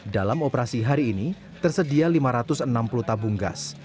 dalam operasi hari ini tersedia lima ratus enam puluh tabung gas